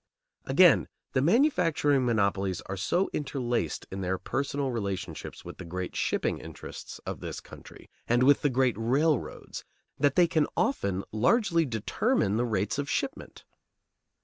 Again, the manufacturing monopolies are so interlaced in their personal relationships with the great shipping interests of this country, and with the great railroads, that they can often largely determine the rates of shipment.